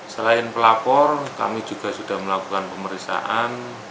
selain pelapor kami juga sudah melakukan pemeriksaan